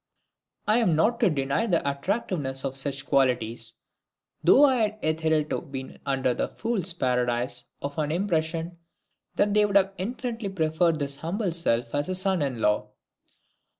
I am not to deny the attractiveness of such qualities, though I had hitherto been under the Fool's Paradise of an impression that they would have infinitely preferred this humble self as a son in law.